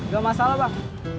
gak masalah bang